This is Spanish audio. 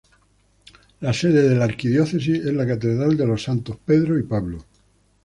La sede de la Arquidiócesis es la Catedral de los Santos Pedro y Pablo.